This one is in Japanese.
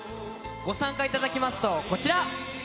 ご参加いただきますと、こちら。